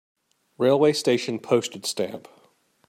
Railway station Postage stamp